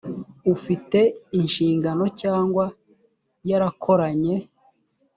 ufite inshingano cyangwa yarakoranye